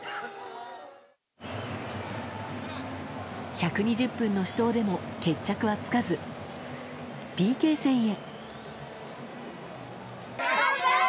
１２０分の死闘でも決着はつかずＰＫ戦へ。